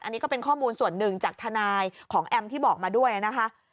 อันนี้ก็เป็นข้อมูลส่วนหนึ่งจากทนายของแอมที่บอกมาด้วยนะคะ